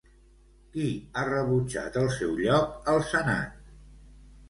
Qui ha rebutjat el seu lloc al Senat?